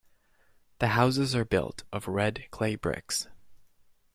The houses are built of red clay bricks.